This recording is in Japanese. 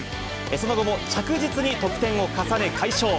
その後も着実に得点を重ね、快勝。